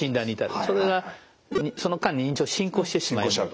それがその間に認知症進行してしまう。